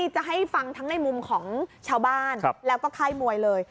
จะให้ฟังทั้งในมุมของชาวบ้านแล้วก็ค่ายมวยเลย